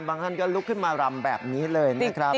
ท่านก็ลุกขึ้นมารำแบบนี้เลยนะครับ